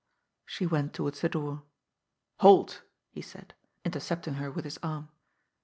She went towards the door. " Halt !" he said, intercepting her with his arm.